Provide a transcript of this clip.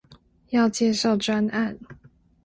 要介紹專案